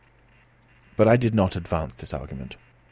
But I did not advance this argument.